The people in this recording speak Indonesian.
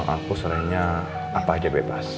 aku seringnya apa aja bebas